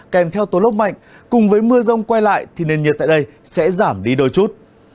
kèm theo tố lốc mạnh cùng với mưa rông quay lại thì nền nhiệt tại đây sẽ giảm đi đôi chút